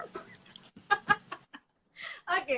oke selanjutnya kang